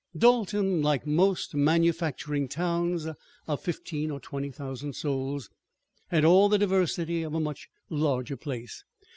Dalton, like most manufacturing towns of fifteen or twenty thousand souls, had all the diversity of a much larger place.